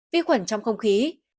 vi khuẩn trong không khí